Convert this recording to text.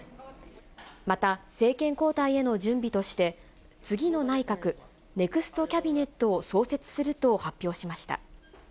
また政権交代への準備として、次の内閣・ネクストキャビネットを創設すると発表しました。